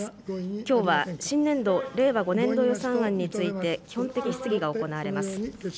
きょうは新年度・令和５年度予算案について、基本的質疑が行われます。